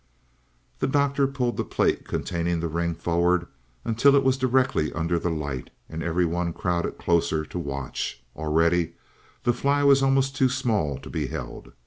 The Doctor pulled the plate containing the ring forward until it was directly under the light, and every one crowded closer to watch; already the fly was almost too small to be held.